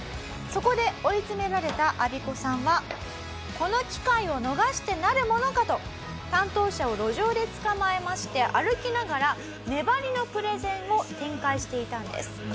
そこで追い詰められたアビコさんはこの機会を逃してなるものかと担当者を路上でつかまえまして歩きながら粘りのプレゼンを展開していたんです。